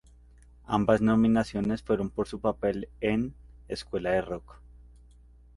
Ambas nominaciones fueron por su papel en "Escuela de rock".